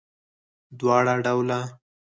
دواړه ډوله